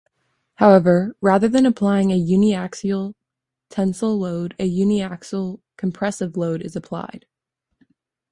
However, rather than applying a uniaxial tensile load, a uniaxial compressive load is applied.